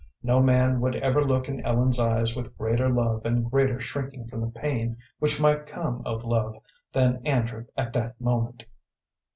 No man would ever look in Ellen's eyes with greater love and greater shrinking from the pain which might come of love than Andrew at that moment.